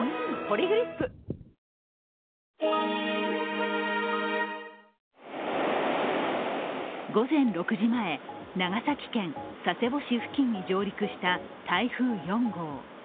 「ポリグリップ」午前６時前、長崎県佐世保市付近に上陸した台風４号。